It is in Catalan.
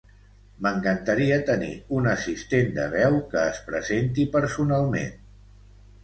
M'encantaria tenir un assistent de veu que es presenti personalment.